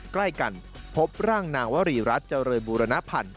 ใกล้กันพบร่างนางวรีรัฐเจริญบูรณพันธ์